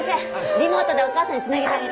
リモートでお母さんに繋げてあげて。